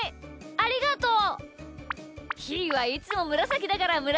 ありがとう。